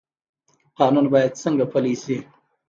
قانون باید څنګه پلی شي؟